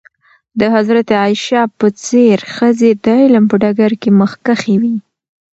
د حضرت عایشه په څېر ښځې د علم په ډګر کې مخکښې وې.